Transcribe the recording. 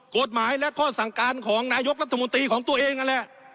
กฎหมายและข้อสั่งการของนายกรัฐมนตรีของตัวเองนั่นแหละ